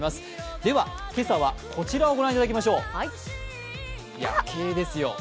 では今朝はこちらをご覧いただきましょう、夜景ですよ。